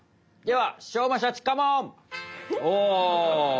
ではおお。